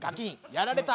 「やられた。